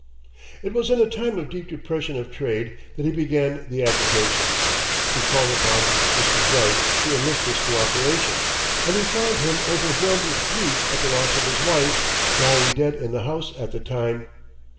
It was in a time of deep depression of trade that he began the agitation. He called upon Mr. Bright to enlist his coöperation, and he found him overwhelmed with grief at the loss of his wife, lying dead in the house at the time.